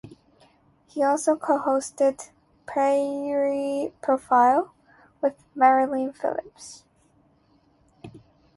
He also co-hosted "Prairie Profile" with Marilyn Phillips.